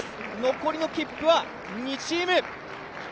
残りの切符は２チーム。